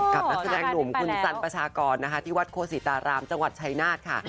นักแสดงหนุ่มคุณสันประชากรนะคะที่วัดโคศิตารามจังหวัดชายนาฏค่ะ